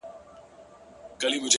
خير دی. زه داسي یم. چي داسي نه وم.